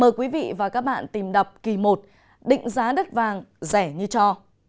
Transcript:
mời quý vị và các bạn tìm đọc kỳ một định giá đất vàng rẻ như cho